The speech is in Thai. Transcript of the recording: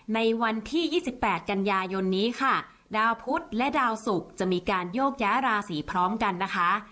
ในวันที่๒๘กันยายนนี้ค่ะดาวพุทธและดาวสุกจะมีการโยกย้าราศีพร้อมกันนะคะ